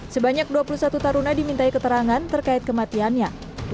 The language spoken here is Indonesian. sebanyak dua puluh satu taruna dimintai keterangan terkait kematiannya